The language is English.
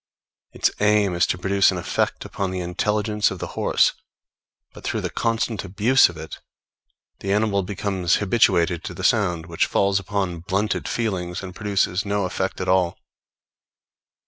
Its aim is to produce an effect upon the intelligence of the horse; but through the constant abuse of it, the animal becomes habituated to the sound, which falls upon blunted feelings and produces no effect at all.